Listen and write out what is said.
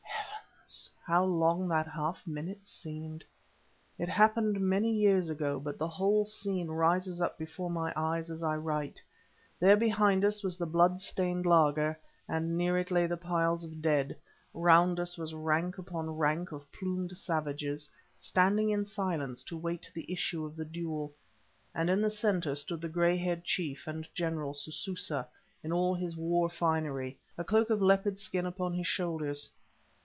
Heavens! how long that half minute seemed! It happened many years ago, but the whole scene rises up before my eyes as I write. There behind us was the blood stained laager, and near it lay the piles of dead; round us was rank upon rank of plumed savages, standing in silence to wait the issue of the duel, and in the centre stood the grey haired chief and general, Sususa, in all his war finery, a cloak of leopard skin upon his shoulders.